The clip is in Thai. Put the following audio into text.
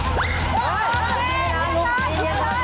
น้ำมันไปน้ำมันถูก